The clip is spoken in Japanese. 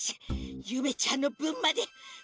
ゆめちゃんのぶんまで。